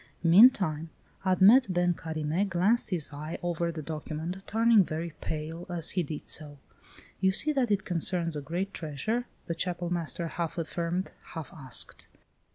Meantime Admet Ben Carime glanced his eye over the document, turning very pale as he did so. "You see that it concerns a great treasure?" the Chapel master half affirmed, half asked.